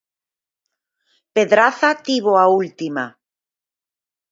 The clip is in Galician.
Pedraza tivo a última.